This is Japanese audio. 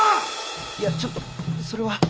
いやちょっとそれは。